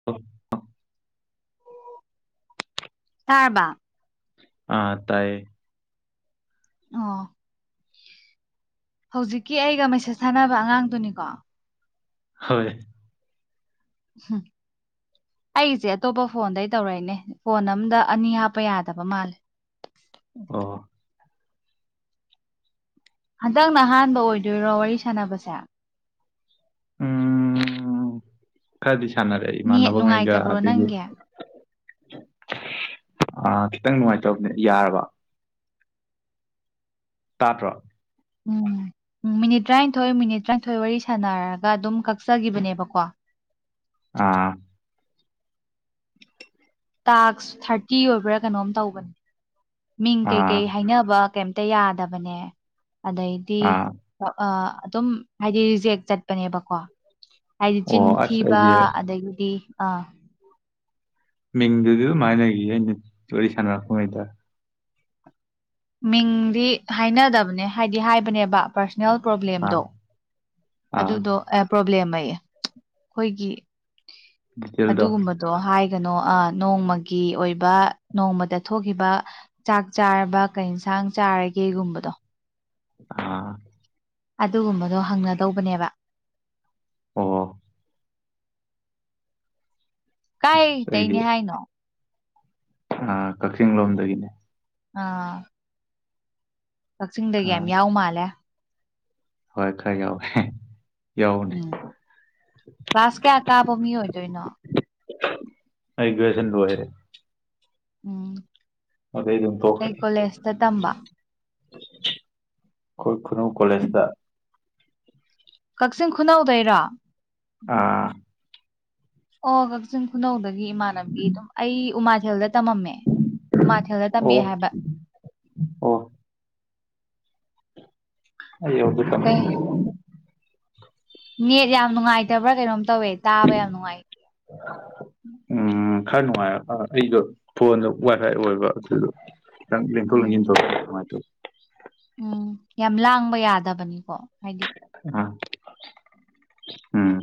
[inaudible] ꯇꯥꯔꯕꯥ ꯑꯥ ꯇꯥꯏꯌꯦ ꯑꯣ ꯍꯧꯖꯤꯛꯀꯤ ꯑꯩꯒ ꯃꯦꯁꯦꯁ ꯊꯥꯅꯕ ꯑꯉꯥꯡꯗꯨꯅꯤꯀꯣ ꯍꯣꯏ ꯎꯝ ꯑꯩꯒꯤꯁꯦ ꯑꯇꯣꯞꯄ ꯐꯣꯟꯗꯩ ꯇꯧꯔꯛꯏꯅꯦ ꯐꯣꯟ ꯑꯝꯗ ꯑꯅꯤ ꯍꯥꯞꯄ ꯌꯥꯗꯕ ꯃꯥꯜꯂꯦ ꯑꯣ ꯍꯟꯗꯛ ꯅ ꯑꯍꯥꯟꯕ ꯑꯣꯏꯗꯣꯏꯔꯣ ꯋꯥꯔꯤ ꯁꯥꯟꯅꯕꯁꯦ ꯎꯝ ꯈꯔꯗꯤ ꯁꯥꯟꯅꯔꯦ ꯅꯦꯠ ꯏꯃꯥꯟꯅꯕꯉꯩꯒ ꯅꯨꯡꯉꯥꯏꯇꯕ꯭ꯔꯣ ꯑꯗꯒꯤ ꯅꯪꯒꯤ ꯑ ꯈꯤꯇꯪ ꯅꯨꯡꯉꯥꯏꯇꯕꯅꯦ ꯌꯥꯔꯕ ꯇꯥꯇ꯭ꯔꯣ ꯎꯝ ꯎꯝ ꯃꯤꯅꯤꯠ ꯇꯔꯥꯅꯤꯊꯣꯏ ꯃꯤꯅꯤꯠ ꯇꯔꯥꯅꯤꯊꯣꯏ ꯋꯥꯔꯤ ꯁꯥꯟꯅꯔꯒ ꯑꯗꯨꯝ ꯀꯛꯆꯕꯅꯦꯕꯀꯣ ꯑꯥ ꯇꯥꯛꯁ ꯊꯥꯔꯇꯤ ꯑꯣꯏꯕ꯭ꯔꯥ ꯀꯩꯅꯣꯝ ꯇꯧꯕꯅꯦ ꯃꯤꯡ ꯑꯥ ꯀꯩꯀꯩ ꯍꯥꯏꯅꯕ ꯀꯩꯝ ꯍꯛꯇ ꯌꯥꯗꯕꯅꯦ ꯑꯗꯩꯗꯤ ꯑꯥ ꯑꯗꯨꯝ ꯍꯥꯏꯗꯤ ꯔꯤꯖꯦꯛ ꯆꯠꯄꯅꯦꯕꯀꯣ ꯍꯥꯏꯗꯤ ꯑꯣ ꯆꯤꯟ ꯑꯁ ꯊꯤꯕ ꯑꯩꯗꯤ ꯑꯗꯒꯤꯗꯤ ꯑꯥ ꯃꯤꯡꯗꯨꯗꯤ ꯑꯗꯨꯝꯍꯥꯏ ꯂꯩꯒꯤꯌꯦ ꯑꯩꯅ ꯋꯥꯔꯤ ꯁꯥꯟꯅꯔꯛꯄꯉꯩꯗ ꯃꯤꯡꯗꯤ ꯍꯥꯏꯅꯗꯕꯅꯦ ꯍꯥꯏꯗꯤ ꯍꯥꯏꯕꯅꯦꯕ ꯄ꯭ꯔꯁꯅꯦꯜ ꯑꯥ ꯄ꯭ꯔꯣꯕ꯭ꯂꯦꯝꯗꯣ ꯑꯥ ꯑꯗꯨꯗꯣ ꯑꯦ ꯄ꯭ꯔꯣꯕ꯭ꯂꯦꯝ ꯑꯌꯦ ꯑꯩꯈꯣꯏꯒꯤ ꯗꯤꯇꯦꯜꯗꯣ ꯑꯗꯨꯒꯨꯝꯕ ꯗꯣ ꯍꯥꯏꯒꯅꯣ ꯑ ꯅꯣꯡꯃꯒꯤ ꯑꯣꯏꯕ ꯅꯣꯡꯃꯗ ꯊꯣꯛꯈꯤꯕ ꯆꯥꯛ ꯆꯥꯔꯕ ꯀꯩ ꯏꯟꯁꯥꯡ ꯆꯥꯔꯒꯦꯒꯨꯝꯕꯗꯣ ꯑꯥ ꯑꯗꯨꯒꯨꯝꯕꯗꯣ ꯍꯪꯅꯗꯧꯕꯅꯦꯕ ꯑꯣ ꯑꯁ ꯀꯥꯏꯇꯩꯅꯦ ꯍꯥꯏꯅꯣ ꯑ ꯀꯛꯆꯤꯡ ꯂꯣꯝꯗꯒꯤꯅꯤ ꯑꯥ ꯀꯥꯛꯆꯤꯡꯗꯒꯤ ꯌꯥꯝ ꯑꯥ ꯌꯥꯎ ꯃꯥꯜꯂꯦ ꯍꯣꯏ ꯈꯔ ꯌꯥꯎꯋꯦ ꯌꯥꯎꯕꯅꯦ ꯀ꯭ꯂꯥꯁ ꯀꯌꯥ ꯀꯥꯕ ꯃꯤ ꯑꯣꯏꯗꯣꯏꯅꯣ ꯑꯩ ꯒ꯭ꯔꯦꯖ꯭ꯋꯦꯁꯟ ꯂꯣꯏꯔꯦ ꯎꯝ ꯑꯗꯩ ꯑꯗꯨꯝ ꯀꯩ ꯀꯣꯂꯦꯖꯇ ꯇꯝꯕ ꯑꯈꯣꯏ ꯈꯨꯅꯧ ꯀꯣꯂꯦꯖꯇ ꯀꯛꯆꯤꯡ ꯈꯨꯅꯧꯗꯩꯔꯣ ꯑꯥ ꯑꯣ ꯀꯛꯆꯤꯡ ꯈꯨꯅꯧꯗꯒꯤ ꯏꯃꯥꯟꯅꯕꯤ ꯑꯗꯨꯝ ꯑꯩ ꯎꯃꯥꯊꯦꯜꯗ ꯇꯃꯝ ꯃꯦ ꯎꯃꯥꯊꯦꯜꯗ ꯑꯣ ꯇꯝꯃꯛꯑꯦ ꯍꯥꯏꯕ ꯑꯣ ꯑꯩ ꯌꯧꯗ꯭ꯔꯤꯀꯥꯟ ꯀꯩ [inaudible] ꯅꯦꯠ ꯌꯥꯝ ꯅꯨꯡꯉꯥꯏꯇꯕ꯭ꯔꯥ ꯀꯩꯅꯣꯝ ꯇꯧꯋꯦ ꯇꯥꯕ ꯌꯥꯝ ꯅꯨꯡꯉꯥꯏ [unintelligible] ꯎꯝ ꯈꯔ ꯅꯨꯡꯉꯥꯏꯔꯛ ꯑ ꯑꯩꯗꯣ ꯐꯣꯟꯗꯣ ꯋꯥꯏ ꯐꯥꯏ ꯑꯣꯏꯕ ꯑꯗꯨꯗꯣ ꯈꯤꯇꯡ ꯂꯦꯡꯊꯣꯛ ꯂꯦꯡꯖꯤꯟ ꯎꯝ ꯇꯧꯕꯩ ꯅꯨꯡꯉꯥꯏꯇꯕ ꯎꯝ ꯌꯥꯝ ꯂꯥꯡꯕ ꯌꯥꯗꯕꯅꯤꯀꯣ ꯍꯥꯏꯗꯤ ꯑ ꯎꯝ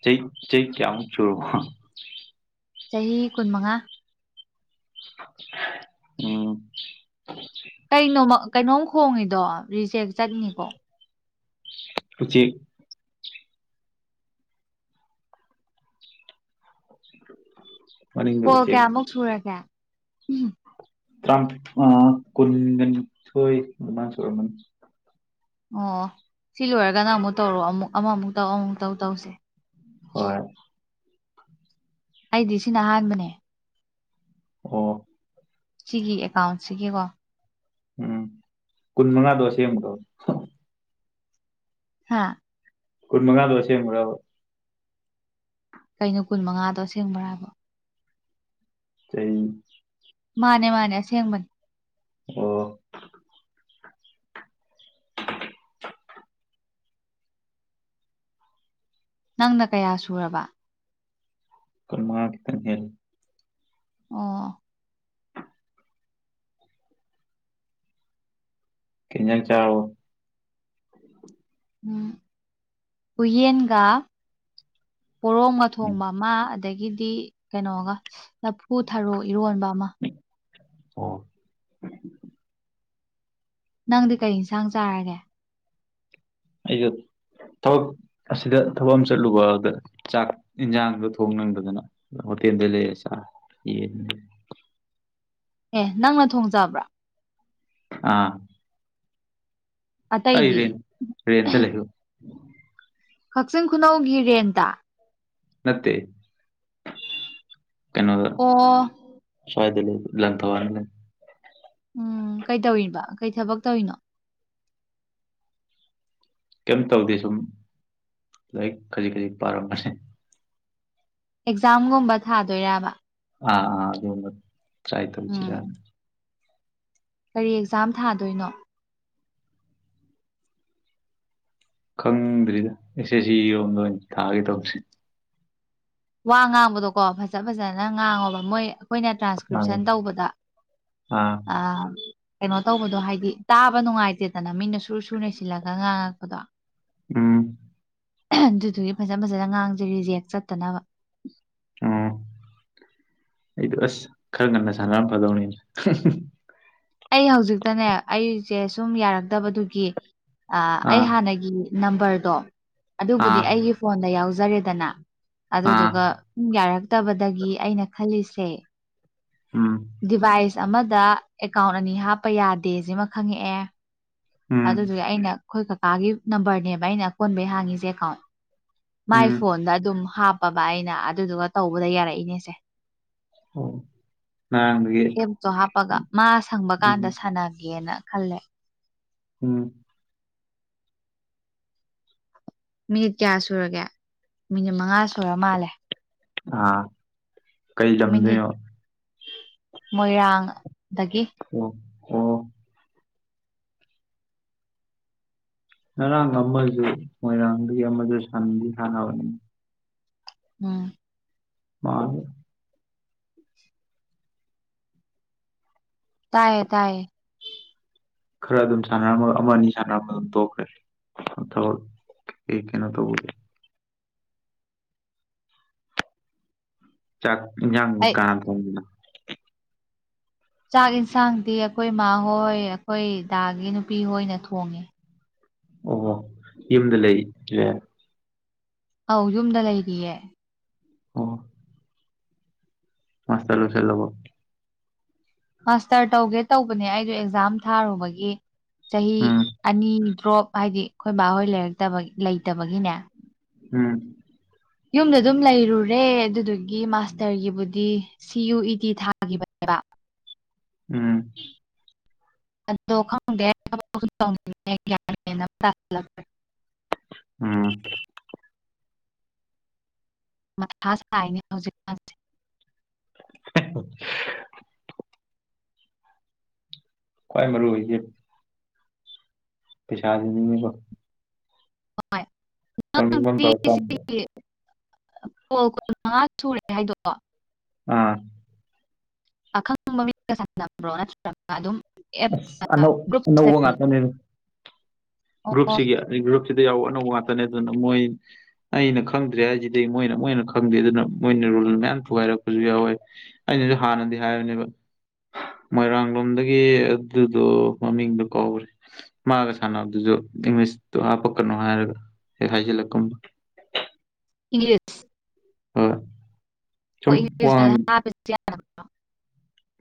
ꯆꯍꯤ ꯆꯍꯤ ꯀꯌꯥꯃꯨꯛ ꯁꯨꯔꯕꯣ ꯆꯍꯤ ꯀꯨꯟꯃꯉꯥ ꯎꯝ ꯀꯩꯅꯣꯃꯛ ꯀꯩꯅꯣꯝ ꯈꯣꯡꯉꯤꯗꯣ ꯔꯤꯖꯦꯛ ꯆꯠꯅꯤꯀꯣ ꯎꯆꯦꯛ ꯃꯅꯤꯡꯗ ꯀꯣꯜ ꯎꯆꯦꯛ ꯀꯌꯥꯃꯨꯛ ꯁꯨꯔꯒꯦ ꯎꯝ ꯇ꯭ꯔꯥꯃꯊꯣꯏ ꯀꯨꯟꯒ ꯅꯤꯊꯣꯏ ꯑꯗꯨꯃꯥꯏ ꯁꯨꯔꯝꯃꯅꯤ ꯑꯣ ꯁꯤ ꯂꯣꯏꯔꯒ ꯅꯪ ꯑꯃꯨꯛ ꯇꯧꯔꯣ ꯑꯃꯨꯛ ꯑꯃꯃꯨꯛ ꯇꯧ ꯑꯃꯃꯨꯛ ꯇꯧ ꯇꯧꯁꯦ ꯍꯣꯏ ꯑꯩꯗꯤ ꯁꯤꯅ ꯑꯍꯥꯟꯕꯅꯦ ꯑꯣ ꯁꯤꯒꯤ ꯑꯦꯀꯥꯎꯟꯁꯤꯒꯤꯀꯣ ꯎꯝ ꯀꯨꯟꯃꯉꯥꯗꯣ ꯑꯁꯦꯡꯕꯔꯣ ꯍꯥꯥ ꯀꯨꯟꯃꯉꯥꯗꯣ ꯑꯁꯦꯡꯕꯔꯕ ꯀꯩꯅꯣ ꯀꯨꯟꯃꯉꯥꯗꯣ ꯑꯁꯦꯡꯕꯔꯥ ꯍꯥꯏꯕꯣ ꯆꯍꯤ ꯃꯥꯅꯦ ꯃꯥꯅꯦ ꯑꯁꯦꯡꯕꯅꯤ ꯑꯣ ꯅꯪꯅ ꯀꯌꯥ ꯁꯨꯔꯕ unintelligible ꯅꯦꯠ ꯑꯣ ꯀꯪ ꯆꯥꯕꯣ ꯍꯨꯌꯦꯟꯒ ꯄꯣꯔꯣꯡ ꯃ ꯊꯣꯡꯕ ꯑꯃ ꯑꯗꯒꯤꯗꯤ ꯀꯩꯅꯣꯒ ꯂꯐꯨ ꯊꯔꯣ ꯏꯔꯣꯟꯕ ꯑꯃ ꯑꯣ ꯅꯪꯗꯤ ꯀꯔꯤ ꯏꯟꯁꯥꯡ ꯆꯥꯔꯒꯦ ꯑꯩꯒ ꯊꯕꯛ ꯑꯁꯤꯗ ꯊꯕꯛ ꯑꯃ ꯆꯠꯂꯨꯕꯗ ꯆꯥꯛ ꯌꯦꯟꯁꯥꯡꯗꯣ ꯊꯣꯡ ꯅꯪꯗꯗꯅ ꯍꯣꯇꯦꯜꯗ ꯂꯩꯔ ꯆꯥꯛ ꯌꯦ ꯑꯦ ꯅꯪꯅ ꯊꯣꯡꯖꯕ꯭ꯔꯥ ꯑꯥ ꯑ ꯑꯇꯩꯗꯤ ꯏꯕꯦꯟ ꯏꯟ ꯂꯩ ꯍ ꯀꯛꯆꯤꯡ ꯈꯨꯅꯧꯒꯤ ꯔꯦꯟꯗ ꯅꯠꯇꯦ ꯀꯩꯅꯣ ꯑꯣ ꯐꯋꯥꯗ ꯂꯩ ꯂ ꯊ ꯎꯝ ꯀꯩ ꯇꯧꯔꯤꯕ ꯀꯩ ꯊꯕꯛ ꯇꯧꯔꯤꯅꯣ ꯀꯩꯝ ꯇꯧꯗꯦ ꯁꯨꯝ ꯂꯥꯏꯔꯤꯛ ꯈꯖꯤꯛ ꯈꯖꯤꯛ ꯄꯥꯔꯝꯝꯕꯅꯤ ꯑꯦꯛꯖꯥꯝꯒꯨꯝꯕ ꯊꯥꯗꯣꯏꯕ ꯑꯥ ꯑ ꯑ ꯇ꯭ꯔꯥꯏ ꯇꯧ ꯎꯝ ꯆꯔ ꯀꯔꯤ ꯑꯦꯛꯖꯥꯝ ꯊꯥꯗꯣꯏꯅꯣ ꯈꯪꯗ꯭ꯔꯤꯗ ꯑꯦꯁꯦ ꯁꯤꯔꯣꯝꯗ ꯑꯣꯏꯅꯅꯤ ꯊꯥꯒꯦ ꯇꯧꯕꯁꯦ ꯋꯥ ꯉꯥꯡꯕꯗꯣꯀꯣ ꯐꯖ ꯐꯖꯅ ꯉꯥꯡꯉꯣꯕ ꯃꯣꯏ ꯑꯩꯈꯣꯏꯅ ꯑꯥ ꯇ꯭ꯔꯥꯟꯁꯀ꯭ꯔꯤꯞꯁꯟ ꯇꯧꯕꯗ ꯑꯥ ꯀꯩꯅꯣ ꯇꯧꯕꯗꯣ ꯍꯥꯏꯗꯤ ꯇꯥꯕ ꯅꯨꯡꯉꯥꯏꯇꯦꯗꯅ ꯃꯤꯅ ꯁꯨꯔ ꯁꯨꯅ ꯁꯤꯜꯂꯒ ꯉꯥꯡꯉꯛꯄꯗꯣ ꯎꯝ ꯑꯗꯨꯗꯨꯒꯤ ꯐꯖ ꯐꯖꯅ ꯑꯉꯥꯡꯁꯦ ꯔꯤꯖꯦꯛ ꯆꯠꯇꯅꯕ ꯑꯣ ꯑꯩꯗꯣ ꯑꯁ ꯈꯔ ꯉꯟꯅ ꯁꯥꯟꯅꯔꯝ ꯐꯗꯧꯅꯤꯅꯦ ꯑꯩ ꯍꯧꯖꯤꯛꯇꯅꯦ ꯑꯩꯁꯦ ꯁꯨꯝ ꯌꯥꯔꯛꯇꯕꯗꯨꯒꯤ ꯑꯥ ꯑꯩ ꯍꯥꯟꯅꯒꯤ ꯅꯝꯕꯔꯗꯣ ꯑꯗꯨꯕꯨꯗꯤ ꯑꯥ ꯑꯩꯒꯤ ꯐꯣꯟꯗ ꯌꯥꯎꯖꯔꯦꯗꯅ ꯑꯥ ꯑꯗꯨꯗꯨꯒ ꯌꯥꯔꯛꯇꯕꯗꯒꯤ ꯑꯩꯅ ꯈꯜꯂꯤꯁꯦ ꯎꯝ ꯗꯤꯚꯥꯏꯁ ꯑꯃꯗ ꯑꯦꯀꯥꯎꯟ ꯑꯅꯤ ꯍꯥꯞꯄ ꯌꯥꯗꯦ ꯁꯤꯃ ꯈꯪꯉꯛꯑꯦ ꯎꯝ ꯑꯗꯨꯗꯨꯒꯤ ꯑꯩꯅ ꯑꯩꯈꯣꯏ ꯀꯥꯀꯥꯒꯤ ꯅꯝꯕꯔꯅꯦꯕ ꯑꯩꯅ ꯀꯣꯟꯕꯩ ꯍꯥꯡꯉꯤꯁꯦ ꯑꯦꯀꯥꯎꯟ ꯃꯥꯏ ꯎꯝ ꯐꯣꯟꯗ ꯑꯗꯨꯝ ꯍꯥꯞꯄꯕ ꯑꯩꯅ ꯑꯗꯨꯗꯨꯒ ꯇꯧꯕꯗ ꯌꯥꯔꯛꯏꯅꯦꯁꯦ ꯍꯣ ꯍ ꯎꯦ ꯀꯦꯞꯇꯣ ꯍꯥꯞꯄꯒ ꯃꯥ ꯁꯪꯕ ꯀꯥꯟꯗ ꯁꯥꯟꯅꯒꯦꯅ ꯈꯜꯂꯦ ꯎꯝ ꯃꯤꯅꯤꯠ ꯀꯌꯥ ꯁꯨꯔꯒꯦ ꯃꯤꯅꯤꯠ ꯃꯉꯥ ꯁꯨꯔ ꯃꯥꯜꯂꯦ ꯑꯥ ꯀꯩ ꯃꯤꯅꯤꯠ ꯂꯝꯗꯩꯅꯣ ꯃꯣꯏꯔꯥꯡꯗꯒꯤ ꯑꯣ ꯑꯣ ꯉꯔꯥꯡ ꯑꯃꯁꯨ ꯃꯣꯏꯔꯥꯡꯗꯒꯤ ꯑꯃꯁꯨ ꯁꯟꯗꯤ ꯁꯥꯟꯅꯕꯅꯤ ꯎꯝ unintelligible ꯇꯥꯏꯌꯦ ꯇꯥꯏꯌꯦ ꯈꯔ ꯑꯗꯨꯝ ꯁꯥꯟꯅꯔꯝꯃꯒ ꯑꯃ ꯑꯅꯤ ꯁꯥꯟꯅꯔꯝꯒ ꯑꯗꯨꯝ ꯇꯣꯛꯈ꯭ꯔꯦ ꯊꯕꯛ ꯑꯩ ꯀꯩꯅꯣ ꯇꯧꯕꯒꯤ ꯆꯥꯛ ꯏꯟꯖꯥꯡ ꯑꯩ ꯀꯥꯅꯅ ꯊꯣꯡꯉꯤꯅꯣ ꯆꯥꯛ ꯌꯦꯟꯁꯥꯡꯗꯤ ꯑꯩꯈꯣꯏ ꯏꯃꯥꯍꯣꯏ ꯑꯩꯈꯣꯏ ꯗꯥꯒꯤ ꯅꯨꯄꯤꯍꯣꯏꯅ ꯊꯣꯡꯉꯦ ꯑꯣ ꯍꯣ ꯌꯨꯝꯗ ꯂꯩ ꯔꯦ ꯑꯧ ꯌꯨꯝꯗ ꯂꯩꯔꯤꯌꯦ ꯑꯣ ꯃꯁꯇꯔ ꯂꯣꯏꯁꯤꯟꯂꯕꯣ ꯃꯥꯁꯇꯔ ꯇꯧꯒꯦ ꯇꯧꯕꯅꯦ ꯑꯩꯗꯣ ꯑꯦꯛꯖꯥꯝ ꯊꯥꯔꯨꯕꯒꯤ ꯆꯍꯤ ꯎꯝ ꯑꯅꯤ ꯗ꯭ꯔꯣꯞ ꯍꯥꯏꯗꯤ ꯑꯩꯈꯣꯏ ꯕꯥꯍꯣꯏ ꯂꯩꯔꯛꯇꯕ ꯂꯩꯇꯕꯒꯤꯅꯦ ꯎꯝ ꯌꯨꯝꯗ ꯑꯗꯨꯝ ꯂꯩꯔꯨꯔꯦ ꯑꯗꯨꯗꯨꯒꯤ ꯃꯥꯁꯇꯔꯒꯤꯕꯨꯗꯤ ꯁꯤ ꯌꯨ ꯏ ꯗꯤ ꯊꯥꯈꯤꯕꯅꯦꯕ ꯎꯝ ꯑꯗꯣ ꯈꯪꯗꯦ ꯊꯕꯛꯁꯨ ꯇꯧꯅꯤꯡꯗꯦ ꯒ꯭ꯌꯥꯟꯃꯦꯟ ꯑꯃꯇ ꯇꯁꯤꯟꯂꯛꯇꯔꯦ ꯎꯝ ꯃꯊꯥ ꯁꯥꯏꯅꯦ ꯍꯧꯖꯤꯛꯀꯥꯟꯁꯦ ꯍꯦꯠ ꯍꯦ ꯈ꯭ꯋꯥꯏ ꯃꯔꯨ ꯑꯣꯏꯁꯦ ꯄꯩꯁꯥꯁꯤꯅꯤꯅꯦꯀꯣ ꯇꯧꯅꯤꯡꯕ ꯑꯃ ꯇꯧꯔ ꯀꯥꯟꯗ unintelligible ꯀꯣꯜ ꯀꯨꯟ ꯃꯉꯥ ꯁꯨꯔꯦ ꯍꯥꯏꯗꯣ ꯑꯥ ꯑꯈꯪꯕ ꯃꯤꯒ ꯁꯅꯕ꯭ꯔꯣ ꯅꯠꯇꯔꯥꯒ ꯑ ꯑꯅꯧ ꯑꯅꯧ ꯒ꯭ꯔꯨꯞꯇ ꯋꯥ ꯉꯥꯛꯇ ꯅꯦꯕ ꯑꯣ ꯒ꯭ꯔꯨꯞꯁꯤꯒꯤ ꯒ꯭ꯔꯨꯞꯁꯤꯗ ꯌꯥꯎꯕ ꯑꯅꯧꯕ ꯉꯥꯛꯇꯅꯦ ꯑꯗꯨꯅ ꯃꯣꯏ ꯑꯩꯅ ꯈꯪꯗ꯭ꯔꯦ ꯍꯥꯏꯁꯤꯗꯤ ꯃꯣꯏꯅ ꯃꯣꯏꯅ ꯈꯪꯗꯦ ꯑꯗꯨꯅ ꯃꯣꯏꯅ ꯔꯨꯜ ꯃꯌꯥꯝ ꯊꯨꯒꯥꯏꯔꯛꯄꯁꯨ ꯌꯥꯎꯋꯦ ꯑꯩꯅꯁꯨ ꯍꯥꯟꯅꯗꯤ ꯍꯥꯏꯕꯅꯦꯕ ꯃꯣꯏꯔꯥꯡ ꯂꯣꯝꯗꯒꯤ ꯑꯗꯨꯗꯣ ꯃꯃꯤꯡꯗꯨꯣ ꯀꯧꯔꯦ ꯃꯥꯒ ꯁꯥꯟꯅꯕꯗꯨꯁꯨ ꯏꯪꯂꯤꯁꯇꯣ ꯍꯥꯞꯄꯛꯀꯅꯣ ꯍꯥꯏꯔꯒ ꯍꯦꯛ ꯍꯥꯏꯖꯤꯜꯂꯛꯀꯨꯝ ꯏꯪꯂꯤꯁ ꯍꯣꯏ ꯁꯨꯝ ꯋꯥ [unintelligible]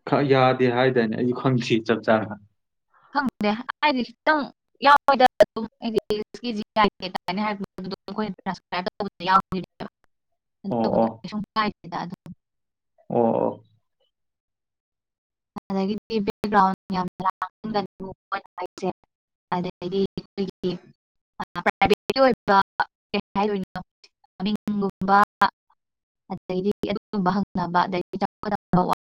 ꯈ ꯌꯥꯗꯦ ꯍꯥꯏꯗꯥꯏꯅꯦ ꯑꯩꯁꯨ ꯈꯪꯗꯤꯌꯦ ꯆꯞ ꯆꯥꯅ ꯍꯪꯗꯦ ꯍꯥꯏ ꯇꯪ [unintelligible] ꯑꯣ ꯑꯗꯨꯕꯨꯗꯤ ꯑꯣ ꯀꯩꯁꯨꯝ ꯀꯥꯢꯗꯦꯗ ꯑꯣ ꯑꯣ ꯑꯗꯒꯤꯗꯤ ꯕꯦꯛꯒꯔꯥꯎꯟ ꯌꯝ ꯂꯥꯡꯒꯅꯨ ꯃꯣꯏꯅ ꯍꯥꯏꯁꯦ ꯑꯗꯩꯗꯤ ꯄꯔꯥꯏꯕꯦꯠ ꯀꯥ ꯑꯣꯏꯕ ꯀꯩ ꯍꯥꯎꯗꯣꯏꯅꯣ ꯃꯤꯡꯒꯨꯝꯕ ꯑꯗꯩꯗꯤ ꯑꯗꯨꯒꯨꯝꯕ ꯍꯪꯅꯕ ꯑꯗꯩꯗꯤ ꯆꯥꯎꯈꯠꯂꯝꯗꯧꯕ